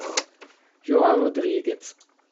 Joao Rodríguez